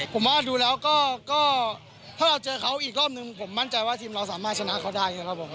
ผมว่าดูแล้วก็ถ้าเราเจอเขาอีกรอบหนึ่งผมมั่นใจว่าทีมเราสามารถชนะเขาได้นะครับผม